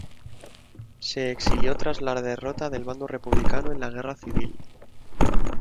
Se exilió tras la derrota del bando republicano en la Guerra Civil.